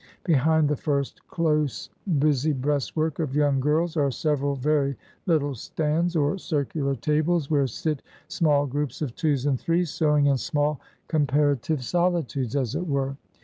Behind the first close, busy breast work of young girls, are several very little stands, or circular tables, where sit small groups of twos and threes, sewing in small comparative solitudes, as it were.